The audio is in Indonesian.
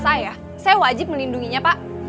saya wajib melindunginya pak